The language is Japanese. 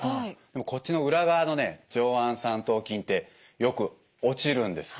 でもこっちの裏側のね上腕三頭筋ってよく落ちるんです。